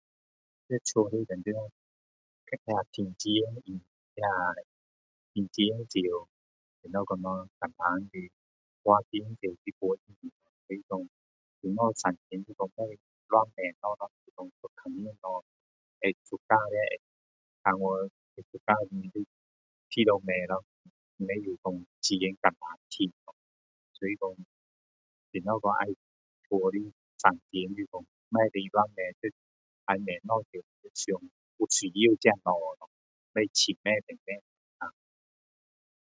在家里面赚钱那个赚钱时怎么说叻一般是花钱时怎样省钱是说不要乱买东西看见东西时会喜欢的看过很喜欢的一直买咯不会说钱很难赚所以说怎样跟家里省钱就是说不可以乱买要买东西要想需要这个东西吗不要七买八买